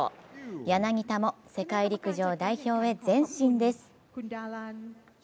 柳田も世界陸上代表へ前進です。